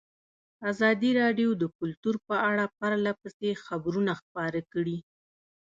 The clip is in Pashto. ازادي راډیو د کلتور په اړه پرله پسې خبرونه خپاره کړي.